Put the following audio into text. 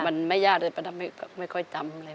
มันไม่ยากเลยป้าดำไม่ค่อยจำเลย